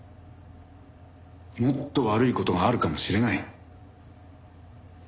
もっと悪い事があるかもしれない。